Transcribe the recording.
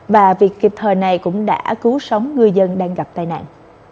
và việc kịp thời này cũng đã cứu sống ngư dân đang gặp tai nạn